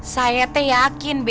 saya teh yakin b